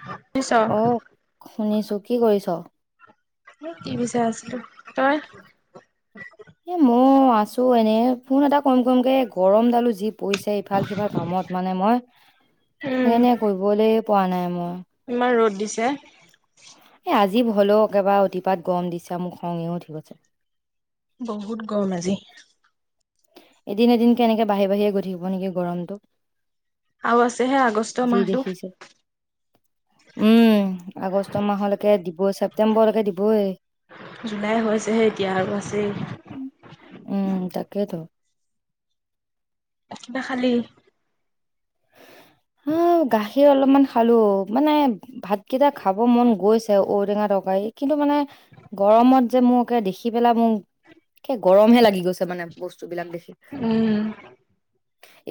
[unintelligible] অ শুনিছো কি কৰিছ। টিভি চাই আছিলো তই। এ মই আছো এনেই ফোন এটা কম কৰিম কে গৰম দালো জীপ। পৰিছে ইফাল সিফাল কামত মানে মই উম, সেইণে কৰিবলৈ পোৱা নাই মই। ইমান ৰ'দ দিছে। এ আজি হলেও একেবাৰে অতিপাত গৰম দিছে মোক খঙে উঠি গৈছে। বহুত গম আজি। এদিন- এদিন- কেনেকে বাঢ়ি বাঢ়িয়ে গৈ থাকিব নেকি গৰমটো। আৰু আছেহে আগষ্ট যি মাহটো। দেখিছো। উম আগষ্ট মাহলৈকে দিবই ছেপটেম্বৰ মালৈকে দিবই। জুলাই হৈছেহে এতিয়া আৰু আছেই। উম তাকেইেতো। কিবা খালি। উম গাখীৰ অলপমান খালো মানে ভাতকেইটা খাব মন গৈছে ঔটেঙা তৰকাৰী কিন্তু মানে গৰমত যে মোক একে দেখি পেলা মোক কে গৰমহে লাগি গৈছে মানে বস্তুবিলাক দেখি। উম।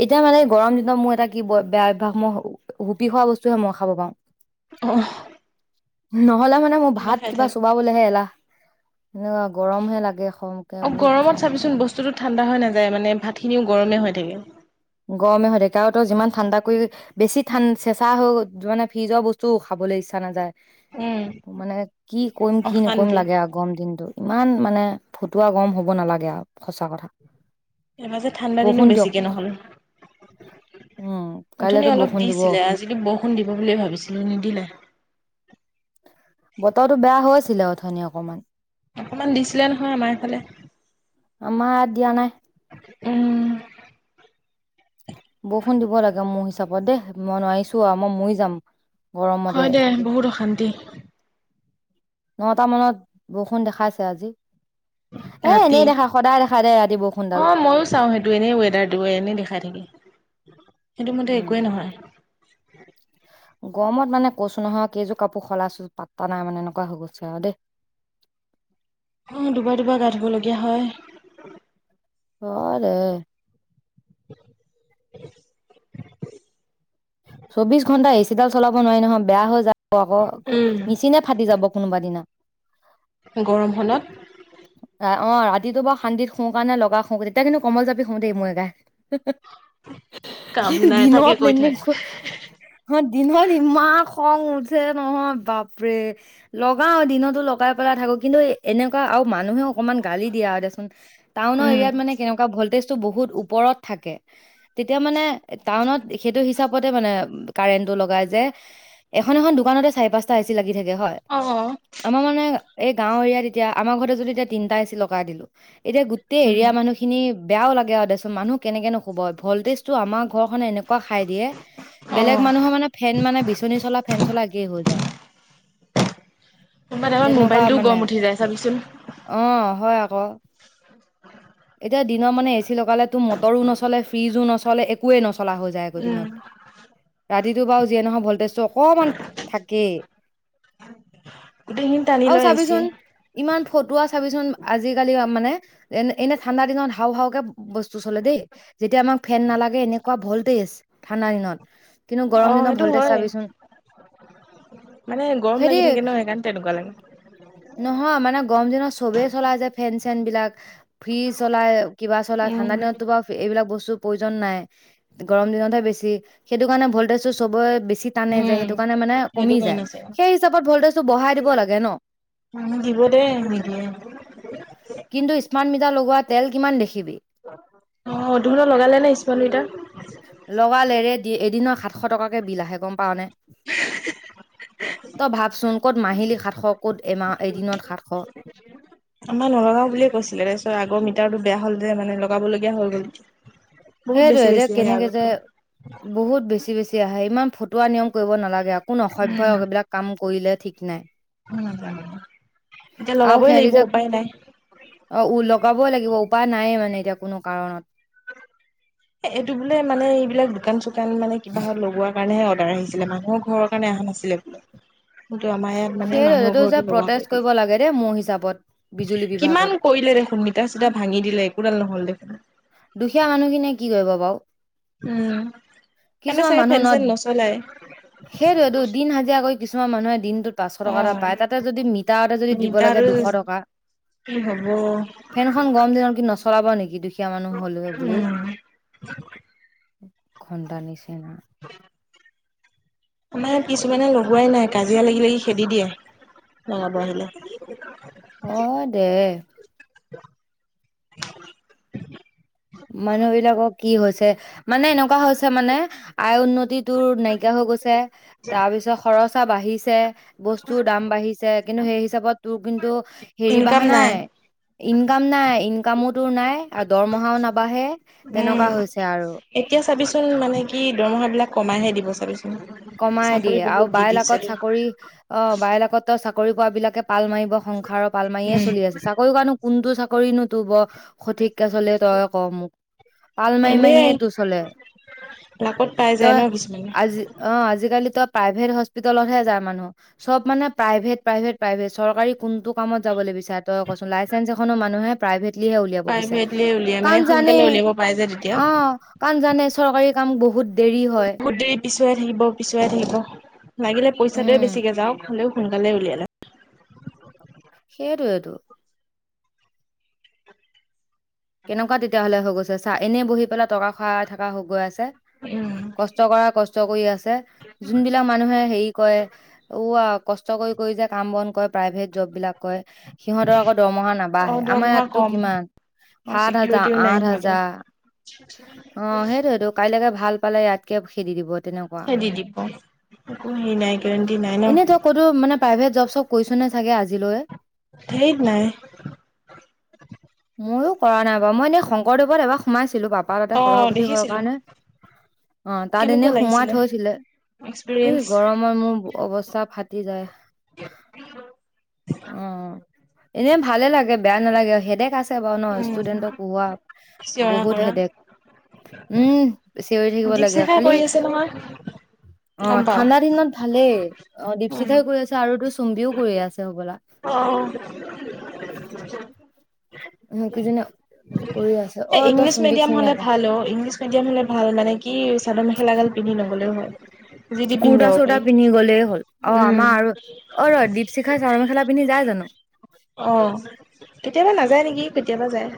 এতিয়া মানে গৰম দিনত মোৰ এটা কি ব বেয়া অভ্যাস মই হুপি খোৱা বস্তুহে মই খাব পাওঁ, অহ। নহলে মানে মোৰ ঠাণ্ডা ভাত খাই কিবা থাক। চ কবাবলেহে এলাহ এনেকুৱা গৰম হে লাগে খ অঁ গৰমত চাবিচোন, বস্তুটো ঠাণ্ডা হৈ নাযায় মানে ভাতখিনিও গৰমে হৈ থাকে। গৰমে হয় থাকে, কাৰন তই যিমান ঠাণ্ডা কৰি বেছি ঠান চেচা হ যোৱা মানে ফ্ৰিজৰ বস্তু খাবলৈ ইচ্ছা নাযায়। উম। মানে কি কৰিম কি নকৰিম অশান্তি, লাগে আগ গৰম দিনটো ইমান মানে ফটুৱা গৰম হ'ব নালাগে আৰু সঁচা কথা। এ মাজে ঠাণ্ডা দিনো বৰষুণ দিয়ক বেছিকে নহল। উম অথনি কাইলেতো অলপ বৰষুণ দিব দিছিলে, আজিকি বৰষুণ দিব বুলিয়ে ভাবিছিলো নিদিলে। বতৰটো বেয়া হৈ আছিলে অথনি অকণমান। অকণমান দিছিলে নহয় আমাৰ এইফালে। আমাৰ দিয়া নাই। উম। বৰষুণ দিব লাগে মোৰ হিচাপত দেই, মই নোৱাৰিছো আৰু মই মৰি যাম। গৰমতে হয় দে বহুত অশান্তি। নটা মানত বৰষুণ দেখাইছে আজি। এ এনেই ৰাতি। দেখা সদায় দেখা দে ৰাতি অ বৰষুণডাল। ময়ো চাওঁ সেইটো এনেই ৱেডাৰ দিব এনেই দেখাই থাকি সেইটো মতে উম একোৱেই নহয়। গৰমত মানে কৈছো নহয় কেইযোৰ কাপোৰ সলাইছো পাত্তা নাই মানে এনেকুৱা হৈ গৈছে আৰু দেই। অ দুবাৰ -দুবাৰ গা ধুব লগীয়া হয়। ঘ দে। [inaudible] চৌবিছ ঘণ্টা এছ চিডাল চলাব নোৱাৰি নহয় বেয়া হৈ যাব আকৌ মেচিনে ফাটি যাব কোনোবা দিনা। গৰমখনত। ৰা অ ৰাতিটো বা শান্তিত শু কাৰনে লগা শু তেতিয়া কিন্তু কমবল জাপি শু দেই মোৰ এগাই। কাম কি নাই দিন তাকে আপ কৈ থাক [inaudible] অ দিনত ইমান খং উঠে নহয় বাপৰে! লগাও দিনতো লগাই পেলাই থাকো কিন্তু এনেকুৱা আৰু মানুহে অকমান গালি দিয়া আৰু দেচোন। টাউনৰ এৰিয়াত মানে কেনেকুৱা ভল্টেজটো বহুত ওপৰত থাকে তেতিয়া মানে এ টাউনত সেইটো হিছ চাপতে মানে কাৰেণ্টটো লগাই যে এখন- এখন দোকানতে চাৰি - পাঁচটা এচি লাগি থাকে হয়। অ হ। আমাৰ মানে এই গাঁও এৰিয়াত এতিয়া আমাৰ ঘৰতে যদি এতিয়া তিনটা এ চি লগাই দিলো এতিয়া গোটেই এৰিয়া মানুহ খিনি বেয়াও লাগে আৰু দেচোন মানুহ কেনেকৈ নুশুব ভল্টেজটো আমাৰ ঘৰখনে এনেকুৱা খাই দিয়ে বেলেগ মানুহৰ মানে ফেন মানে বিচনী চলা ফেন চলা একেই হৈ যায়। কোনবা টাইমত তেনেকুৱা মোবাইলটো মানে গৰম উঠি যায় চাবিচোন। অ হয় আকৌ। এতিয়া দিনৰ মানে এ চি লগালেতো মটৰো নচলে, ফ্ৰিজো নচলে একোৱে নচলা হৈ যায় আকৌ উম। দিনত ৰাতিটো বাৰু যিয়ে নহয় ভল্টেজটো অকণমান থাকেই। গোটেইখিনি টানি আৰু লৈ এই চি এ। চাবিচোন ইমান ফতুৱা চাবিচোন আজিকালি মানে এনে এনে ঠাণ্ডা দিনত হাও হাওকে বস্তু চলে দেই, যেতিয়া আমাক ফেন নালাগে এনেকুৱা ভল্টেজ ঠাণ্ডা দিনত। কিন্তু গৰম অ দিনৰ সেইটো ভল্টেজ হয় চাবিচোন। মানে গৰম হেৰি লাগি থাকে ন' সেইকাৰণে তেনেকুৱা লাগে। নহয় মানে গৰম দিনত চবেই চলাই ফেন চেন বিলাক। ফ্ৰিজ চলাই, কিবা চলাই, ঠাণ্ডা দিনততো উম বাৰু এইবিলাক বস্তুৰ প্ৰয়োজন নাই, গৰম দিনতহে বেছি সেইটো কাৰণে ভল্টেজটো চবে বেছি টানে যে সেইটো কাৰণে মানে সেইটো কমি যায়। কাৰণে সেই হিচাপত ভল্টেজটো বঢ়াই দিব লাগে ন'। উম, দিব দে নিদিয়ে। কিন্তু স্মাৰ্ট মিটাৰ লগোৱা তেল কিমান দেখিবি। অঁ' তহঁতৰ লগালে নে স্মাৰ্ট মিটাৰ? লগালে ৰে এদিনৰ সাতশ টকাকে বিল আহে গম পাওঁনে। তই ভাবচোন ক'ত মাহিলী সাতশ ক'ত এমাহ, এদিনত সাতশ। আমাৰ নলগাও বুলিয়ে কৈছিলে তাৰপিছত আগৰ মিটাৰটো বেয়া হ'ল যে মানে লগাব লগীয়া হৈ গ'ল। বহুত সেইটোৱে, বেছি এতিয়া বেছি আহে কেনেকে যে আগতকৈ। বহুত বেছি বেছি আহে ইমান ফটুৱা নিয়ম কৰিব নালাগে। কোন অসভ্যয় এইবিলাক কাম কৰিলে ঠিক নাই। উমঁ' [unintelligible] আৰু [unintelligible] উ লগাবই লাগিব উপায় নাই মানে এতিয়া কোনো কাৰণত। এইটো বোলে মানে এইবিলাক দোকান চোকান মানে কিবা হত লগোৱা কাৰণেহে আদাৰ আহিছিলে মানুহৰ ঘৰৰ কাৰণে অহা নাছিলে বুলে। কিন্তু আমাৰ ইয়াত মানে সেইটো মানুহৰ যে ঘৰতে লগোৱা হয় প্ৰটেষ্ট এইটো। কৰিব লাগে দেই মোৰ হিচাপত বিজুলী বিভাগত কিমান কৰিলে দেখোন মিটাৰ চিটা ভাঙি দিলে একোডাল নহ'ল দেখোন। দুখীয়া মানুহখিনিয়ে কি কৰিব বাৰু। উমঁ' সিহঁতে চাগে ফেন চেন নচলাই। সেইটোৱেইটো, দিন হাজিৰা কৰি কিছুমান মানুহে দিনটোত পাঁচশ টকা এটা পায় অ'। তাতে যদি মিটাৰতে যদি দিব লাগে মিটাৰটো দুশ টকা। বা- কি হ'ব। ফেনখন গৰম দিনত কি নচলাব নেকি দুখীয়া মানুহ হ'লে বুলিও। উম। ঘণ্টা নিচিনা [unintelligible] আমাৰ এইয়াত কিছুমানে লগোৱাই নাই কাজিয়া লাগি লাগি খেদি দিয়ে। [unintelligible] অ', দে। মানুহ বিলাকৰ কি হৈছে মানে এনেকুৱা হৈছে মানে আয় উন্নতিটো নাইকিয়া হৈ গৈছে তাৰ পিছত খৰচা বাঢ়িছে- বস্তুৰ দাম বাঢ়িছে, কিন্তু সেই হিচাপত তোৰ কিন্তু সেৰি বঢ়া নাই। ইনকাম নাই, ইনকামো তোৰ নাই আৰু দৰমহাও নাবাঢ়ে উম। তেনেকুৱা হৈছে আৰু। এতিয়া চাবিচোন মানে কি দৰমহাবিলাক কমাইহে দিব চাবিচোন। কমাই চাকৰি দিয়ে আৰু বহুত দি বাইলাকত দিছে চাকৰি অঁ' বাইলাকত তো চাকৰি পোৱা বিলাকে পাল মাৰিব, সংসাৰৰ পাল মাৰিয়ে উম চলি আছে চাওঁক। কৰানো কোনটো চাকৰি নো তোৰ বৰ সঠিককে চলে, তই ক মোক, পাল মাৰি মাৰি এনেই এ তোৰ চলে। লাকত পাই যায় তই ন' কিছুমানে। আজি অঁ' আজিকালিতো প্ৰাইভেট হস্পিতেলতহে যায় মানুহ। চব মানে প্ৰাইভেট প্ৰাইভেট প্ৰাইভেট চৰকাৰী কোনটো কামত যাবলে বিচাৰে তই কচোন লাইচেঞ্চ এখনো মানুহে প্ৰাইভেটলিহে উলিয়াব বিচাৰে প্ৰাইভেটলি উলিয়াই মানে কাৰণ জানে সোনকালে উলিয়াব পাই যে তেতিয়া অ কাৰণ জানে চৰকাৰী কাম বহুত দেৰি হয়। বহুত দেৰি পিছুৱাই থাকিব পিছুৱাই থাকিব লাগিলে উম পইচাটোৱে বেছিকছ যাওক হলেও সোনকালে উলিয়াই লয় সেইটোৱেটো কেনেকুৱা তেতিয়াহ'লে হৈ গৈছে চা এনেই বহি পেলাই টকা খোৱাই থকা হৈ গৈ আছে। উম কষ্ট কৰা কষ্ট কৰি আছে যোনবিলাক মানুহে হেৰি কৰে ওৱা কষ্ট কৰি কৰি যে কাম বন কৰে প্ৰাইভেট জব বিলাক কয়ে সিহঁতৰ আকৌ দৰমহা অ নাবাঢ়ে আমাৰ দৰমহা ইয়াততো কম কিমান অ সাত হাজাৰ চিকিউৰিটিও নাই আঠ সিহঁতৰ। হাজাৰ অ সেইটোয়েটো কাইলৈকে ভাল পালে কে খেদি দিব এনেকে খেদি দিব একো হেৰি নাই গেৰান্ডি নাই ন এনেই তই ক'তো মানে প্ৰাইভেট জব চব কৰিছো নে চাগে আজিলৈ ধেইত নাই। মইয়ো কৰা নাই বাৰু মই এনেই শংকৰদেৱত এবাৰ সোমাইছিলো পাপা তাতে অ সভাপতি হোৱা দেখিছিলো কাৰণে অ তাত কেনেকুৱা এনেই সোমাই লাগিছিলে থৈছিলে সেই এক্সপিৰিয়েঞ্চ গৰমৰ মোৰ অৱস্থা ফাটি যায়। অ এনে ভালে লাগে বেয়া নালাগে সেদে কাচ বাও ন উম ষ্টুডেন্টক পঢ়োৱা চিঞৰা বহুত কৰা হেদেক উম চিঞৰি থাকিব লাগে দীপশিখাই খালি কৰি আছে নহয় অ গম পাও ঠাণ্ডা দিনত ভালেই অ উম দীপশিখাই গৈ আছে আৰু তোৰ চুম্বিও কৰি আছে হ'বলা অহ মোৰ কি জানা সেই ইংলিছ মিডিয়াম হলে নাপাও ভাল অ ইংলিছ তেতিয়া মানে ভাল মানে কি চাদৰ মেখেলা গাল পিন্ধি নগলেও হয়। যি টি পিন্ধি কুৰ্তা যাব চুৰ্তা পাৰি পিন্ধি গলেই হ'ল অ উম আমাৰ আৰু অ ৰ দিপশি শিখাই চাদৰ মেখেলা পিন্ধি যায় জানো অ কেতিয়াবা নাযায় নেকি কেতিয়াবা যায়।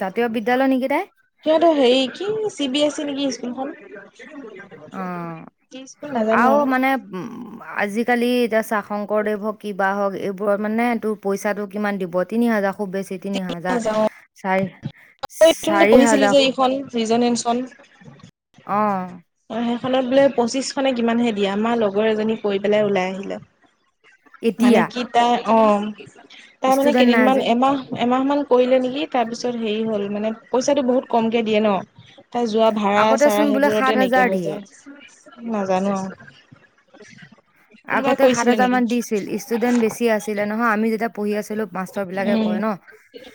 জাতীয় বিদ্যালয় নেকি তাই সিহঁতৰ হেৰি কি চি বি এছ ই নেকি স্কুলখন কি স্কুল নাজানো আৰু উম উম আজিকালি এতিয়া চা শংকৰদেৱ হওক কিবা হওক এইবোৰত মানে তোৰ পইচাটো কিমান দিব তিনি হাজাৰ খুব বেছি তিনি আৰু হাজাৰ নাযাও চাৰি চাৰি হাজাৰ ফ্ৰিজেনচন অ অ সেইখনত বোলে পঁচিচশ খনে কিমানহে দিয়া আমাৰ লগৰ এজনী কৰি পেলাই ওলাই আহিলে মানে এতিয়া কি তাই অ তাই মানে ষ্টুডেন্ট নাই কেইদিনমান যে এমাহ এমাহ মান কৰিলে নেকি তাৰ পিছত হেৰি হ'ল মানে পইচাটো বহুত কমকে দিয়ে ন তাই যোৱা ভাড়া আগতে চাৰা চোন বোলে সাত সেইবোৰতে হাজাৰ নাইকিয়া হৈ দিয়ে যায় নাজানো আও আগতে সাত হাজাৰমান দিছিল ষ্টুডেন্ট বেছি আছিলে নহয় আমি যেতিয়া পঢ়ি আছিলো মাষ্টৰ বিলাকে উম কয় ন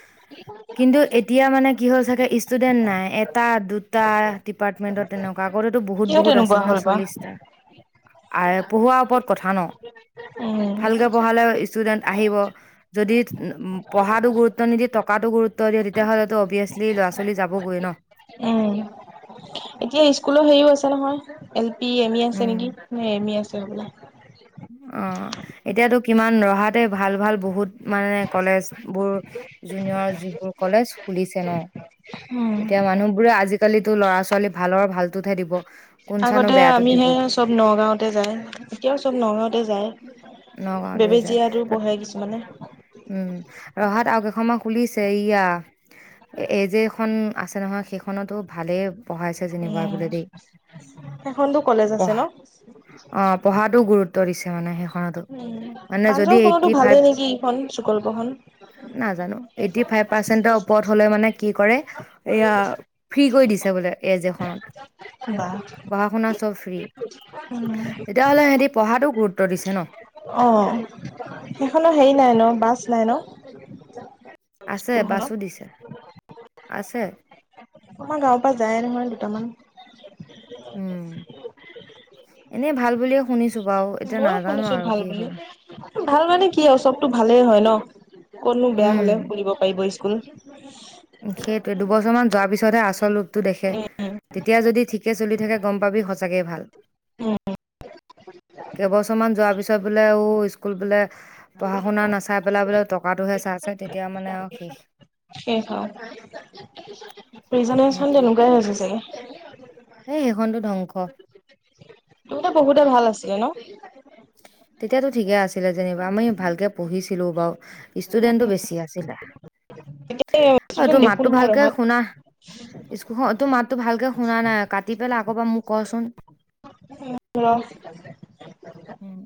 [inaudible] কিন্তু এতিয়া মানে কি হ'ল চাগে ষ্টুডেন্ট নাই এটা দুটা ডিপাৰ্টমেন্টত তেনেকুৱা আগতেতো বহুত কিয় বহুত তেনেকুৱা আছিল। ন হ'ল বা চল্লিশটা আৰু পঢ়োৱা কত কথা ন উম ভালকে পঢ়ালে ইস্তোদেন আহিব যদি পঢ়াটো গৰুত্ব নিদি টকাটো গুৰুত্ব দিয়ে তেতিাহ'লেতো অভিএছলি ল'ৰা ছোৱী যাবগৈ ন উম এতিয়া স্কুলো হেৰি হৈছে নহয় এল পি এম ই আছে উম। নেকি এমি আছে হবলা উম এতিয়াতো কিমান ৰহাতে ভাল ভাল বহুত আমাৰ ইয়াৰ কলেজ বোৰ জুনিয়ৰ যিবোৰ কলেজ খুলিছে ন উম এতিয়া মানুহ বোৰে আজিকালিতো ল'ৰা ছোৱালী ভালৰ ভালতোহে দিব কোন চানো আগতে বেয়াটোত দিব আমিহে চব নগাঁওঁতে যাই এতিয়াও চব নগাঁওঁতে যায় নগাঁওতে যাই বেবেজীয়াতো তাত পঢ়ে কিছুমানে উম ৰহাত আৰু কেইখন মান খুলিছে ইয়া এই যেখন আছে নহয় সেইখনতো ভালেই পঢ়াইছে যেনিবা উম বোলে দেই সেইখনতো কলেজ আছে পঢা ন অ পঢ়াতটো গুৰুত্ব উতৰিছে মানে সেইখনতো উম মানে যদি প্ৰাঞ্জলখনতো এইটি ফাইভ ভালেই নেকি এইখন চুকল্পখন নাজানো এইটি ফাইভ পাৰ্চেন্টৰ ওপৰত হলে মানে কি কৰে এয়া ফ্ৰী কৰি দিছে বোলে এ জে খনত বা পঢ়া শুনা চব ফ্ৰী উম তেতিয়া হ'লে সেহতি পঢ়াতো গুৰুত্ব দিছে ন অঁ সেইখনো হেৰি নাই ন বাছ নাই ন আছে স্কুলখনত বাছো দিছে আছে [unintelligible] আমাৰ গাঁওৰ পৰা যায়ে নহয় দুটামান উম এনেই ভাল বুলিয়ে শুনিছো বাৰু এতিয়া ময়ো নাজানো শুনিছো আৰু ভাল কি বুলি হয় ভাল মানে কি হয় চবতটো ভালেই হয় ন কনো বেয়া উম হলে খুলিব পাৰিব স্কুল হয় নে নহয় সেইটোৱে দুবছৰ মান যোৱাৰ পিছতহে আচল ৰূপটো দেখে উম তেতিয়া যদি ঠিকে চলি থাকে গম পাবি সঁচাকে ভাল উম কেইবছৰমান যোৱাৰ পিছত বোলে ঔ স্কুল বোলে পঢ়া শুনা নাচাই পেলাই বোলে টকাটোহে চাই চাইচে তেতিয়া মানে আৰু শেষ শেষ আও ৰিজেনেচন তেনেকুৱাই হৈছে চাগে এ সেইখনতো ধ্বংস এনেইতো বহুতে ভাল আছিলে ন তেতিয়াতো ঠিকে আছিলে যেনিবা আমি ভালকৈ পঢ়িছিলোঁ বাৰু ষ্টুডেন্টটো বেছি আছিলে এতিয়া অ ষ্টুডেন্ট তোৰ দেখো মাতটো নহয় ভালকে ৰহাত শুনা উহো তোৰ মাতটো ভালকে শুনা নাই কাটি পেলাই আকৌ এবাৰ মোক কচোন উম ৰ উম